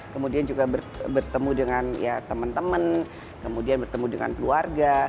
kemudian juga bertemu dengan ya teman teman kemudian bertemu dengan keluarga